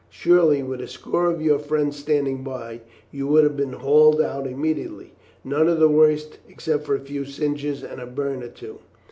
Surely with a score of your friends standing by, you would have been hauled out immediately, none the worse except for a few singes and a burn or two.